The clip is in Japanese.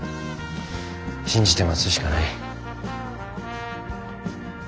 信じて待つしかない。